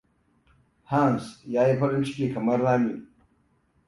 Hans ya yi farin ciki kamar Rami.